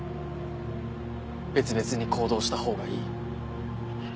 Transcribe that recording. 別々に行動したほうがいい。